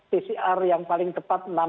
pcr yang paling tepat